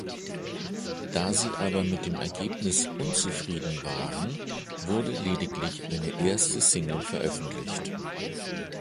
Da sie aber mit dem Ergebnis unzufrieden waren, wurde lediglich eine erste Single veröffentlicht.